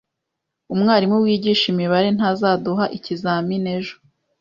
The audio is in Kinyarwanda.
Umwarimu wigisha imibare ntazaduha ikizamini ejo